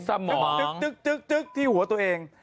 สมองจึ๊กจึ๊กจึ๊กจึ๊กที่หัวตัวเอง